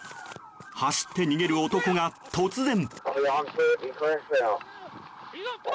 走って逃げる男が、突然。